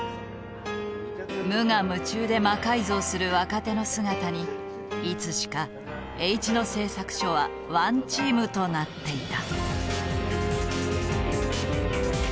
無我夢中で魔改造する若手の姿にいつしかＨ野製作所はＯＮＥＴＥＡＭとなっていた。